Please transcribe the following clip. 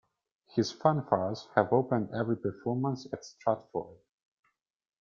His fanfares have opened every performance at Stratford.